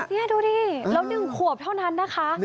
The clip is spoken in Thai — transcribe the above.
นี่ดูดิแล้ว๑ขวบเท่านั้นนะคะ